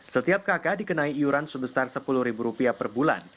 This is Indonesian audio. setiap kakak dikenai iuran sebesar rp sepuluh per bulan